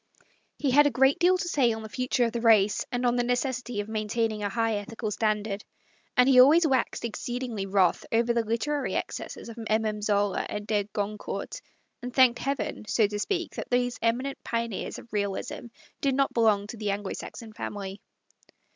He had a great deal to say on the future of the race, and of the necessity of maintaining a high ethical standard, and he always waxed exceedingly wrath over the literary excesses of MM. Zola and de Gron court, and thanked Heaven, so to speak, that those eminent pioneers of Realism did not belong to the Anglo Saxon family.